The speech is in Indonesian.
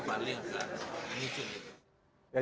paling akan menunjukkan